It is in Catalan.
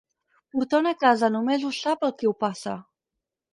Portar una casa només ho sap el qui ho passa.